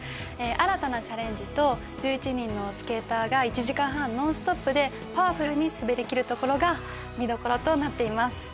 新たなチャレンジと１１人のスケーターが１時間半ノンストップでパワフルに滑りきるところが見どころとなっています